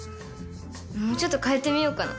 もうちょっと変えてみようかな。